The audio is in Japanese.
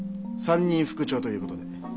３人副長という事で。